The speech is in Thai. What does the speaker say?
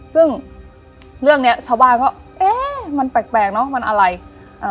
ซึ่งเรื่องเนี้ยชาวบ้านก็เอ๊ะมันแปลกแปลกเนอะมันอะไรอ่า